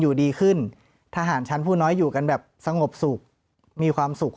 อยู่ดีขึ้นทหารชั้นผู้น้อยอยู่กันแบบสงบสุขมีความสุข